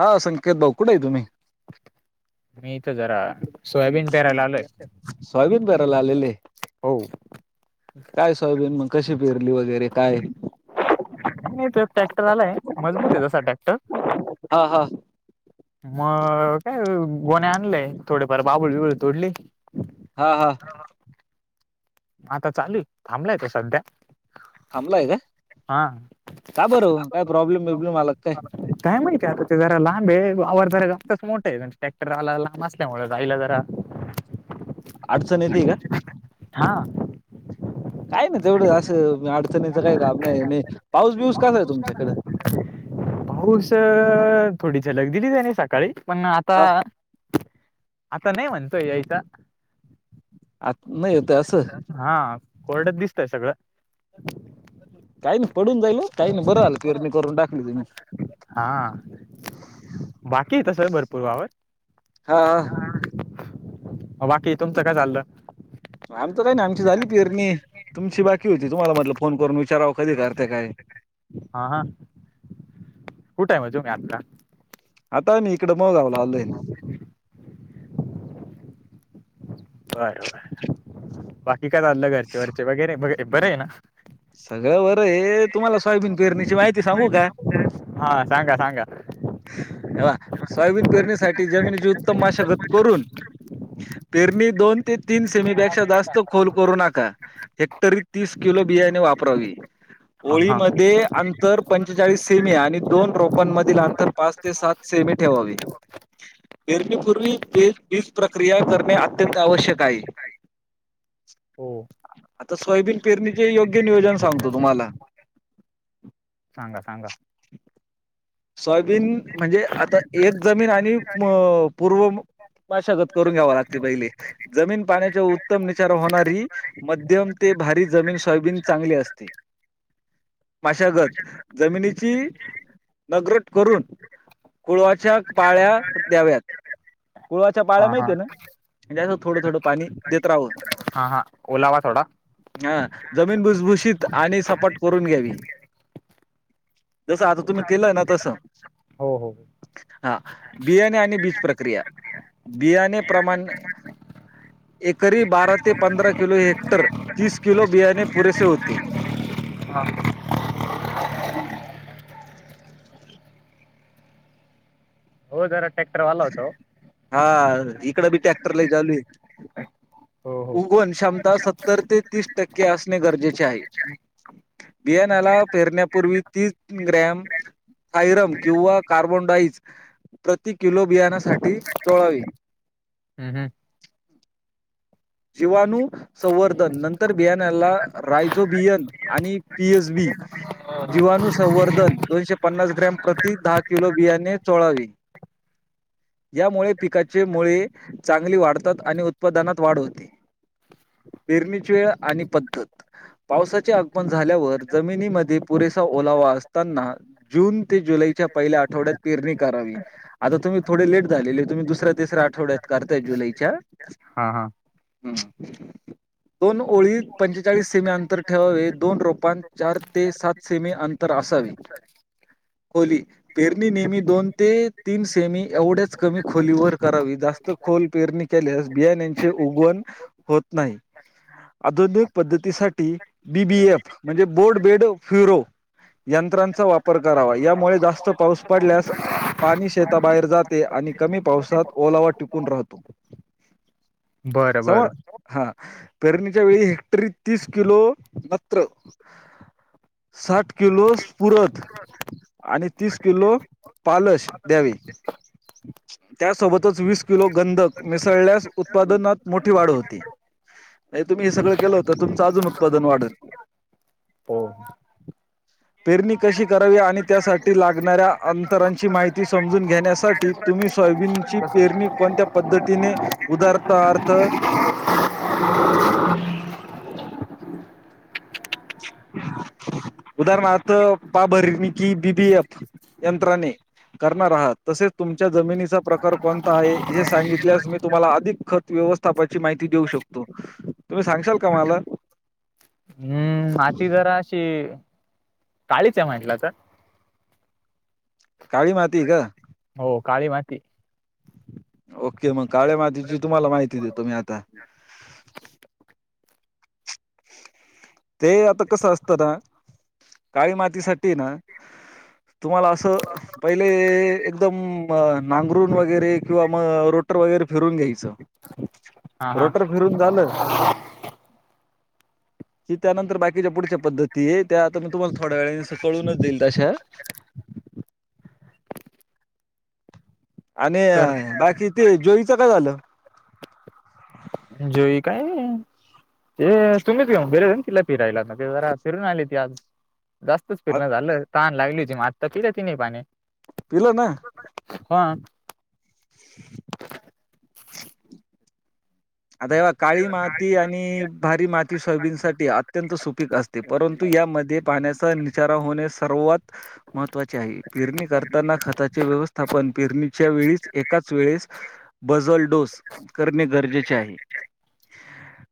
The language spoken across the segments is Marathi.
हा संकेत भाऊ कुडय तुम्ही? मी इथं जरा सोयाबीन पेरायला आलोय. सोयाबीन पेरायला आलेले. हो काय सोयाबीन मग कशी पेरली वगैरे काय काय नाय त्यात ट्रॅक्टर आलाय मजबूत ये तसा ट्रॅक्टर. हा हा मं काय गोण्या आणलय थोडेफार बाबूळ बिबुळ तोडली. हा हा आता चालूय थांबलाय तो सध्या थांबलाय काय हा का बरं काय प्रॉब्लेम बिब्लेम आला का काय. काय माहितीय आता ते जरा लांब ये आवर जरा जास्तच मोठा ये ट्रॅक्टर आलाय लांब असल्यामुळ जायला जरा अडचण येते का? हां काय नाय तेवढं असं अडचणीचं काय काम नाय नी पाऊस बिऊस कसाय तुमच्याकड पाऊस अ थोडी झलक दिलीच त्यांनी सकाळी पण आता हा आता नाय म्हणतोय यायचा. आत नाययेत असं हा कोरड्यात दिसतय सगळं काय नाय पडून जाईल ओ काय नाय बरं झालं पेरणी करून टाकली तुम्ही बाकीये तस भरपूर वावर हा हा म बाकी तुमचं काय चाललं. आमच काय नाय आमची झाली पेरणी तुमची बाकी होती तुम्हाला म्हटलं फोन करून विचाराव कधी करता काय? हा हा कुठय म टूम्ही आता आता मी इकड मोळ गावला आलोय ना. बर बर बाकी काय चाललं घरचे वरचे वगैरे बघ बरे ये ना [unintelligible] सगळं बरये तुम्हाला सोयाबीन पेरणीची माहिती सांगू का? हा सांगा सांगा आ सोयाबीन पेरणीसाठी जमिनीची उत्तम माशागत करून पेरणी दोन ते तीन सेमीपेक्षा जास्त खोल करू नका. हेक्टरी तीस किलो बियाणे वापरावे हा हा ओळीमध्ये अंतर पंचेचाळीस सेमी आणि दोन रोपांनमधील आंतर पाच ते सात सेमी ठेवावे. फेरणीपूर्वी [unintelligible] वीज प्रक्रिया करणे अत्यंत आवश्यक आये. हो आता सोयाबीन पेरणीचे योग्य नियोजन सांगतो तुम्हाला सांगा सांगा सोयाबीन म्हणजे आता एक जमीन आणि पूर्व मशगत करून घ्यावा लागते पहिली जमीन पाण्याच्या उत्तम निचार होणारी मध्यम ते भारी जमीन सोयाबीन चांगली असते मशागत जमिनीची नगरट करून कुळवाच्या पाळ्या द्याव्यात कोळाच्या पाळ्या हा हा माहितीय ना म्हणजे असं थोडं थोडं पाणी देत राहावं हा हा ओलावा थोडा हा जमीन भुसभुशीत आणि सपाट करून घ्यावी जस आता तुम्ही केलंय ना तसं हो हो हा बियाणे आणि बीज प्रक्रिया बियाणे प्रमाण एकरी बारा ते पंधरा किलो हेक्टर तीस किलो बियाणे पुरेसे होते. [unintelligible] हा हो जरा ट्रॅक्टर वाला होतो ओ. हा इकड बी टॅक्टरला जाल हो हो उगण क्षमता सत्तर ते तीस टक्के असणे गरजेचे आहे बियाणाला फेरण्यापूर्वी तीच ग्रॅम सायरम किंवा कार्बोन डाईस प्रति किलो बियाण्यासाठी चोळावे हम् हम् जीवाणू संवर्धन नंतर बियानला रायझो बियन आणि पी एस बी जीवाणुसंवर्धन दोनशे पन्नास ग्रॅम प्रति दहा किलो बियाणे चोळावी यामुळे पिकाचे मुळे चांगली वाढतात आणि उत्पादनात वाढत पेरणीची वेळ आणि पद्धत पावसाचे आगमन झाल्यावर जमिनीमध्ये पुरेसा ओलावा असताना जून ते जुलैच्या पहिल्या आठवड्यात पेरणी करावी आता तुम्ही थोडे लेट झालेले तुम्ही दुसऱ्या तिसऱ्या आठवड्यात करताय जुलैच्या हा हा हा दोन ओळी पंचेचाळीस सेमी अंतर ठेवावे दोन रोपां चार ते सात सेमी अंतर तर असावी सर होली पेरणी नेहमी दोन ते तीन सेमी एवढ्याच कमी खोलीवर करावी जास्त खोल पेरणी केल्यास बियाण्या यांची उगवण होत नाही आधुनिक पद्धतीसाठी बी बी एफ म्हणजे बोर्ड बेड फ्युरो यंत्रांचा वापर करावा यामुळे जास्त पाऊस पडल्यास पाणी शेताबाहेर जात ते आणि कमी पावसात ओलावा टिकून राहतो बरं सम बरं हा पेरणीच्या वेळी हेक्टरी तीस किलो मात्र साठ किलोस पुरत आणि तीस किलो पालश द्यावी त्यासोबतच वीस किलो गंधक मिसळल्यास उत्पादनात मोठी वाढ होती नाही तुम्ही हे सगळ केलं होतं तमचं अजून उत्पादन वाढत ह पेरणी कशी करावी आणि त्यासाठी लागणाऱ्या अंतरांची माहिती समजून घेण्यासाठी तुम्ही सोयाबीन ची पेरणी कोणत्या पद्धतीने उधार पदार्थ उदाहरणारथ पा भरणी कि बी बी एफ यंत्रनी करणार आहात तसेच तुमच्या जमिनीचा प्रकार कोणता आहे हे सांगितल्यास मी तुम्हाला अधिक खत व्यवस्थापची माहिती देऊ शकतो तुम्ही सांगशाल का मला हम्म माती जरा अशी काळीच आहे म्हटलं तर काळी माती का हो काळी माती ओके मग काळे्या मातीची तुम्हाला माहिती देतो मी आता ते आता कसं असत ना काळी मातीसाठीठी ना तुम्हाला असं पहिले एकदम नांगरून वगैरे किंवा मग रोटर वगैरे फिरून घ्यायचं हा हा रोटर फिरून झालं की त्यानंतर बाकीच्या पुढच्या पद्धती आहे त्या आता मी तुम्हाला थोड्या वेळेने सकळूनच देईल तशा आणि तर बाकी ते जोईचं काय झालं जई काय ए तुम्च घेऊ बरेऊिला पिराला ज फिरून आली त आज जास्तच आ फिरण झालं तान लागली होतीी मातता पि ति नाही पाणी पला ना ह [unintelligible] आता हेव्हा काळी माती आणि भारी माती सोयाबीन साठी अत्यंत सुपीक असते परंतु यामध्ये पाण्याचा निचारा होणे सर्वात महत्त्वाचे आहे पेरणी करताना खताचे व्यवस्थापन पेरणीच्या वेळीच एकाच वेळेस बजल डोस करणे गरजेचे आहे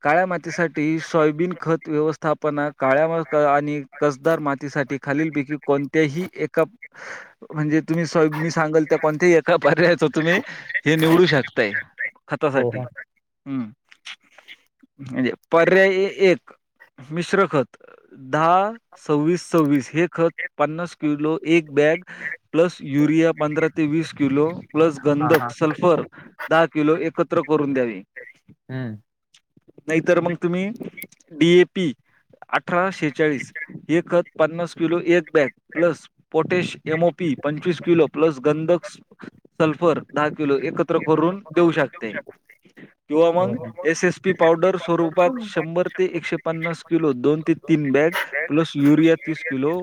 काळ्या मातीसाठी सॉयबीन खत व्यवस्थापना काळ्या आणि कसदार मातीसाठी खालीलपैकी कोणत्याही एका म्हणजे तुम्ही स्वय मी सांगाल तर कोणत्याही एका पर्यायाच तुम्ही हे निवडू शकताय हो हो खतासाठी हम्म म्हणजे पर्याय एक मिश्र खत दहा सव्वीस सव्वीस हे खत पन्नास किुलो एक बॅग प्लस युरिया पंधरा ते वीस किलो प्लस हा हा गंधक सल्फर दहा किलो एकत्र करून द्यावी हम्म नाहीतर मग तुम्ही डीए पी अठरा शेचाळीस हे खत पन्नास किलो एक बॅग प्लस पटेश एमओपी पंचवीस किलो प्लस गधक सल्फर दहा किलो एकत्र करून देऊ शकते तिुवा मांग हो हो एस एस पी पावडर स्वरूपात शंभर ते एकशे पन्नास किलो दोन ते तीन बॅग प्लस युरिया तीस किलो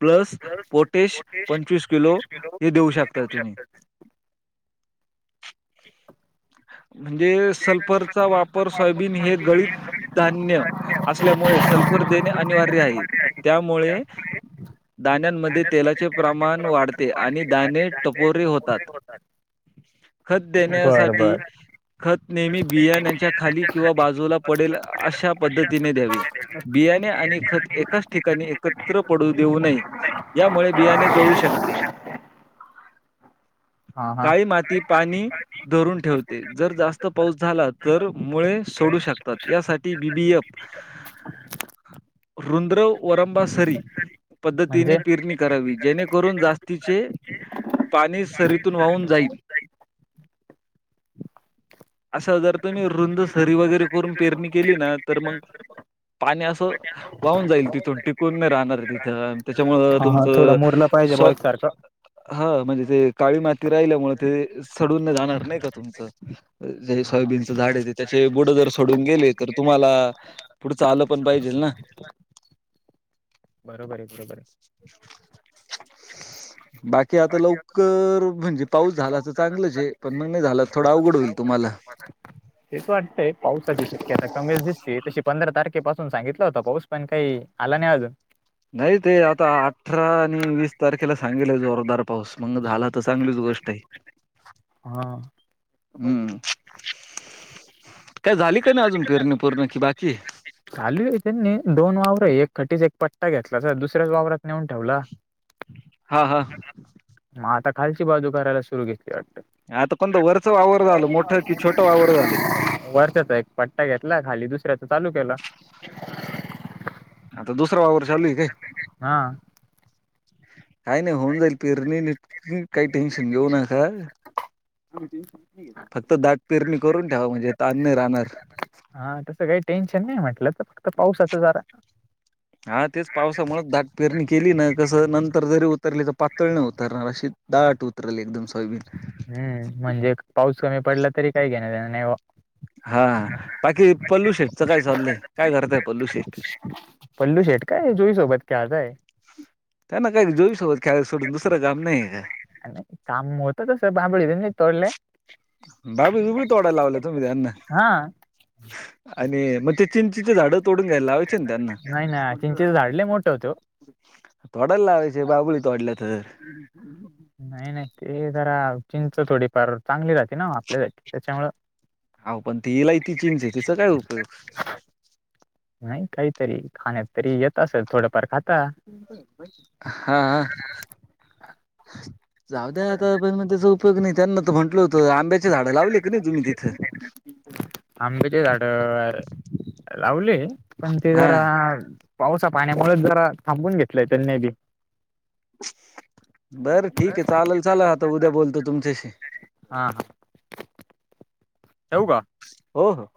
प्लस पोटेश पंचवीस किलो हे देऊ शकता तुम्ही म्हणजे सल्फरचा वापर सोयाबीन हे गळीत धान्य असल्यामुळे सल्फर देणे अनिवार्य आहे त्यामुळे दाण्यांमध्ये तेलाचे प्रमाण वाढते आणि दाणे टपोरे होतात खत बर देण्यासाठी बर खत नेहमी बियाण्याच्या खाली किंवा बाजूला पडेल अशा पद्धतीने द्यावी बियाणे आणि खत एकाच ठिकाणी एकत्र पडू देऊ नये यामुळे बियाणे जळू शकते हा हा काही माती पाणी धरून ठेवते जर जास्त पाऊस झाला तर मुळे सोडू शकतात यासाठी बीबीएफ रुंद्रव वरंबा सरी. म्हणजे पद्धतीने पेरणी करावी जेणेकरून जास्तीचे पाणी सरीतून वाहून जाईल. असं जर तुम्ही रुंद सरी वगैरे करून पेरणी केली ना तर मग पाणी असं वाहून जाईल तिथून टिकून नाही राहणार तिथ. त्याच्यामुळ हा हा थोडा तुमचं मोरला पाहिजे बॉ स एकसारखं हा म्हणजे ते काळी माती राहिल्यामुळे ते सडून जाणार नाही का तुमचं जर हा हा सोयाबीनचं झाड आहे ते त्याचे बुड जर सोडून गेले तर तुम्हाला पुढंच आल पण पाहिजेल ना. बर बरोबर आहे. [inaudible] [inaudible] बाकी आता लवकर म्हणजे पाऊस झाला तर चांगलंच आहे पण मग नाही झाला थोडा अवघड होईल तुम्हाला. तेच वाटतय पावसाची शक्यता कमीच दिसतेय तशी पंधरा तारखेपासून सांगितला होता पाऊस पण काही आला नाही अजून. नाही ते आता अठरा आणि वीस तारखेला सांगेले हाय जोरदार पाऊस मग झाला तर चांगलीच गोष्ट आहे. हा.. हम्म काय झाली की नाही अजून पेरणी पुरणी की बाकी आहे? चालू आहे त्यांनी दोन वावर आहे एकखटीच एक पट्टा घेतला तर दुसऱ्याच वावरात नेऊन ठेवला. हा हा. मग आता खालची बाजू करायला सुरू घेतली वाटत. आता कोणत वरच वावर झालं मोठं की छोटं वावर झालंय? वरच्याचा एक पट्टा घेतला खाली दुसऱ्याच चालू केला. आता दुसरा वावर चालुय काय? हा. [inaudible] काय नाही होऊन जाईल पिरणी निट काही टेन्शन घेऊ नका. आम्ही टेन्शन नाही घेत. फक्त दाट पेरणी करून ठेवा म्हणजे तान नाही राहणार. हा तस काही टेन्शन नाही म्हटलं तर फक्त पावसाच जरा. हा तेच पावसामुळेच दाट पेरणी केली ना कस नंतर जरी उतरली तर पातळ नाही उतरणार अशी दाट उतरल एकदम सोयबीन. हम्म म्हणजे पाऊस कमी पडला तरी काय घेण देण नाही व्हो हा बाकी पल्लूशेटच काय चाललंय काय करताय पल्लू शेठ? पल्लू शेट काय जोई सोबत खेळताय. त्यांना काय जोई सोबत खेळायच सोडून दुसरं काम नाही का? काम होत तस बांबळी भिबळी तोडल्या. बाबळी बिबळी तोडाय लावल्या तुम्ही त्यांना. हा. आणि मग ते चिंचचे झाडं तोडून घ्यायला लावायची. नाही ना चिंचेच झाड लय मोठे होतय वो. तोडाय लावायच बाबुली तोडल्या तर. नाही, नाही. ते जरा चिंच थोडीफार चांगली राहते ना आपल्यासाठी त्याच्यामुळ हा पण ती इलायती चींचय तिचा काय उपयोग? नाही काहीतरी खाण्यात तरी येत असल थोडफार खाता. हा जाऊ द्या आता पण त्याचा उपयोग उपयोग नाही त्यांना तर म्हटलं होतं आंब्याची झाडं लावली की नाही तुम्ही तिथं? आंब्याचे झाड लावले पण ते हा जरा पावसा पाण्यामुळेच जरा थांबून घेतलंय त्यांनी बी [inaudible] बरं ठीक आहे चालल चालल आता उद्या बोलतो तुमच्याशी. ठेऊ का. हो हो.